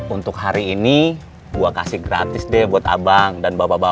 untuk hari ini gue kasih gratis deh buat abang dan bapak bapak